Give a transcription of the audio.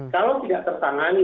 kalau tidak tertangani